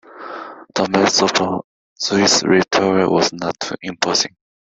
The mass of the Swiss Re tower was not too imposing.